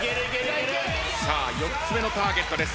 ４つ目のターゲットです。